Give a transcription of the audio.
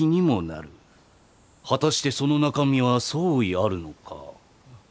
果たしてその中身は相違あるのか？